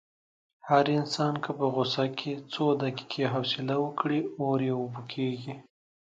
هر انسان که په غوسه کې څو دقیقې حوصله وکړي، اور یې اوبه کېږي.